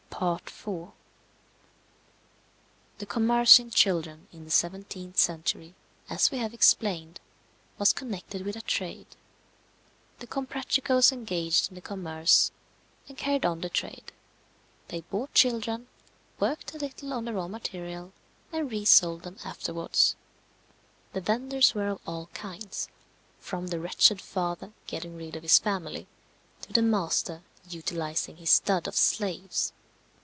The commerce in children in the 17th century, as we have explained, was connected with a trade. The Comprachicos engaged in the commerce, and carried on the trade. They bought children, worked a little on the raw material, and resold them afterwards. The venders were of all kinds: from the wretched father, getting rid of his family, to the master, utilizing his stud of slaves.